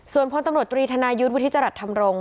ส่วนพลตำรวจตรีธนายุทธ์วุฒิจรัสธรรมรงค